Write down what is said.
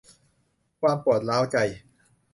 ความปวดร้าวใจ